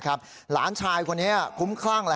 ก็ได้เจอยังไงว่าอย่างไร